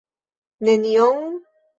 Nenion?